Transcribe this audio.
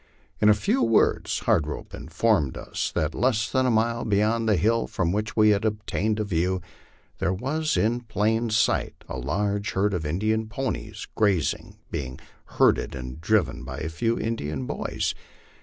In a few words Hard Rope informed us that less than a mile beyond the hill from which he had obtained a view, there was in plain sight a large herd of Indian ponies grazing, being herded and driven by a few Indian boys.